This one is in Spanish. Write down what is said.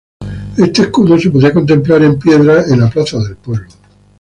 Este escudo se podía contemplar en piedra en la plaza del pueblo.